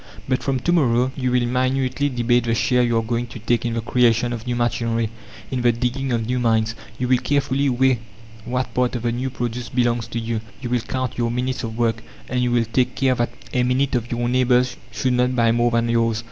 "But from to morrow you will minutely debate the share you are going to take in the creation of new machinery, in the digging of new mines. You will carefully weigh what part of the new produce belongs to you. You will count your minutes of work, and you will take care that a minute of your neighbours should not buy more than yours.